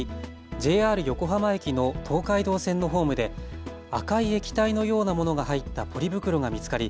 ＪＲ横浜駅の東海道線のホームで赤い液体のようなものが入ったポリ袋が見つかり